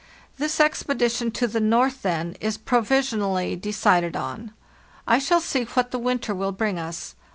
This expedition to the north, then, is provisionally decided on. I shall see what the winter will bring us.